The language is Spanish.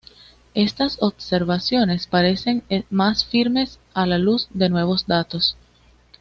Estas observaciones parecen más firmes a la luz de nuevos datos.